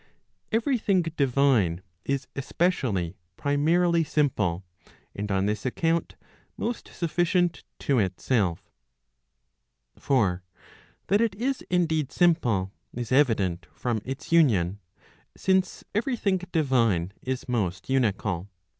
, Every thing divine, is especially primarily simple, and on this account most sufficient to itself. For that it is indeed simple, is evident from its union; since every thing divine is most unical.